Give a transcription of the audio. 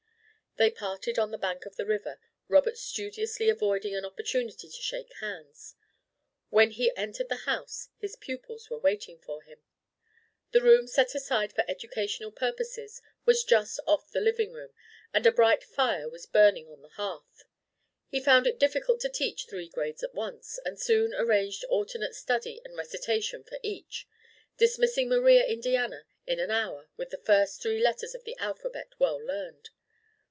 They parted on the bank of the river, Robert studiously avoiding an opportunity to shake hands. When he entered the house, his pupils were waiting for him. The room set aside for educational purposes was just off the living room and a bright fire was burning on the hearth. He found it difficult to teach three grades at once, and soon arranged alternate study and recitation for each, dismissing Maria Indiana in an hour with the first three letters of the alphabet well learned.